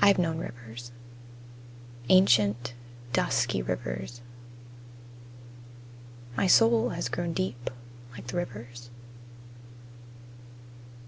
I've known rivers: Ancient, dusky rivers. My soul has grown deep like the rivers.